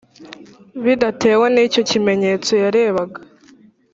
bidatewe n’icyo kimenyetso yarebaga,